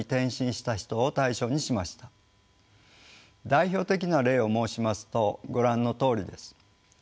代表的な例を申しますとご覧のとおりです。